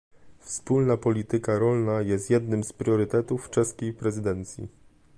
Wspólna polityka rolna jest jednym z priorytetów czeskiej prezydencji